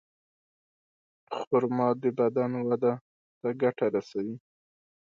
خرما د بدن وده ته ګټه رسوي.